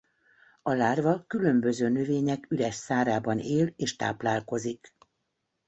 A lárva különböző növények üres szárában él és táplálkozik.